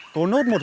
cố nốt một chút